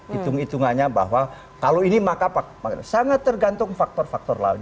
hitung hitungannya bahwa kalau ini maka sangat tergantung faktor faktor lain